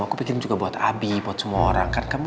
aku pikirin juga buat abi buat semua orang